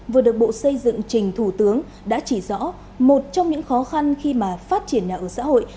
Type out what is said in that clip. vừa được bộ xây dựng trình thủ tướng đã chỉ rõ một trong những khó khăn khi mà phát triển nhà ở xã hội